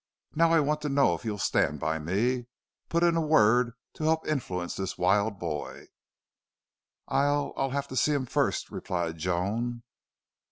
Now, I want to know if you'll stand by me put in a word to help influence this wild boy." "I'll I'll have to see him first," replied Joan.